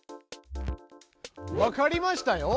わかりましたよ。